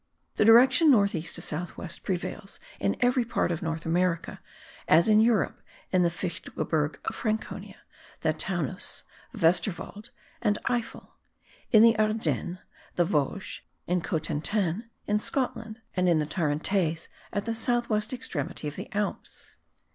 The direction north east to south west prevails in every part of North America, as in Europe in the Fitchtelgebirge of Franconia, in Taunus, Westerwald, and Eifel; in the Ardennes, the Vosges, in Cotentin, in Scotland and in the Tarentaise at the south west extremity of the Alps.